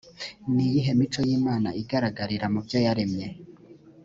ni iyihe mico y imana igaragarira mu byo yaremye